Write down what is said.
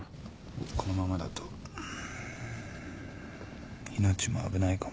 このままだと命も危ないかもしんない。